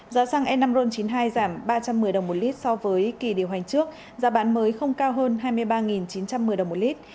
giá xăng n năm ron chín mươi hai giảm ba trăm một mươi đồng một lít so với kỳ điều hành trước giá bán mới không cao hơn hai mươi ba chín trăm một mươi đồng một lít